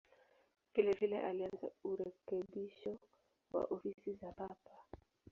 Vilevile alianza urekebisho wa ofisi za Papa.